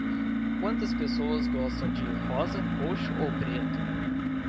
Quantas pessoas gostam de rosa, roxo ou preto?